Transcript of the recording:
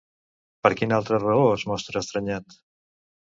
Per quina altra raó es mostra estranyat?